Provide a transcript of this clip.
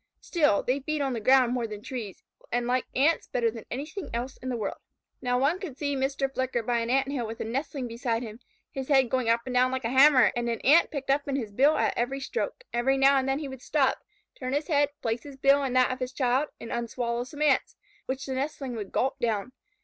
Still, they feed on the ground more than on trees, and like Ants better than anything else in the world. Now, one could see Mr. Flicker by an Ant hill with a nestling beside him, his head going up and down like a hammer, and an Ant picked up in his bill at every stroke. Every now and then he would stop, turn his head, place his bill in that of his child, and unswallow some Ants, which the nestling would gulp down.